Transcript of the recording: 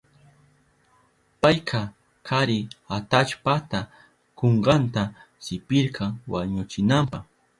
Payka kari atallpata kunkanta sipirka wañuchinanpa.